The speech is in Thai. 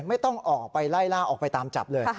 ไม่ต้องออกไปไล่ล่าออกไปตามจับเลย